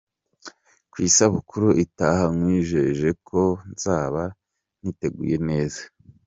Ku isabukuru itaha nkwijeje ko nzaba niteguye neza.